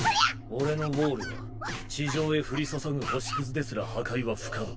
俺の「障壁」は地上へ降り注ぐ星くずですら破壊は不可能。